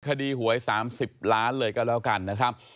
หวย๓๐ล้านเลยก็แล้วกันนะครับ